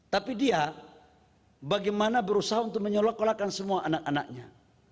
tapi dia bagaimana berusaha untuk menyelakolakan semua anak anaknya